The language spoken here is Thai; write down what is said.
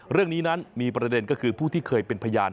เรื่องนี้นั้นมีประเด็นก็คือผู้ที่เคยเป็นพยาน